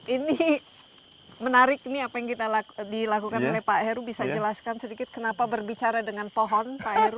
ini menarik ini apa yang kita dilakukan oleh pak heru bisa jelaskan sedikit kenapa berbicara dengan pohon pak heru